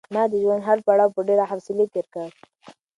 ما د ژوند هر پړاو په ډېرې حوصلې تېر کړ.